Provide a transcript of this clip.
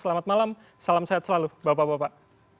selamat malam salam sehat selalu bapak bapak